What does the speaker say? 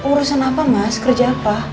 urusan apa mas kerja apa